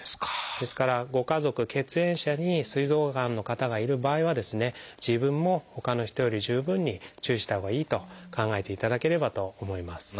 ですからご家族血縁者にすい臓がんの方がいる場合は自分もほかの人より十分に注意したほうがいいと考えていただければと思います。